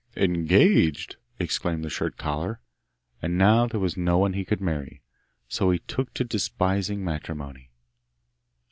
'Engaged!' exclaimed the shirt collar. And now there was no one he could marry, so he took to despising matrimony.